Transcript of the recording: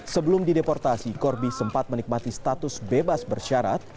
sebelum dideportasi corbi sempat menikmati status bebas bersyarat